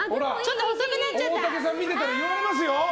大竹さん見てたら言われますよ。